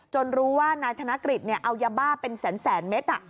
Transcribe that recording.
รู้ว่านายธนกฤษเอายาบ้าเป็นแสนเมตร